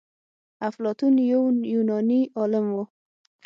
افلاطون يو يوناني عالم و.